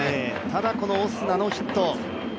ただ、このオスナのヒット。